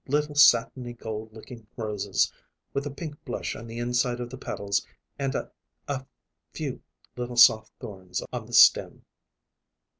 Little satiny gold looking roses, with a pink blush on the inside of the petals and a a few little soft thorns on the stem."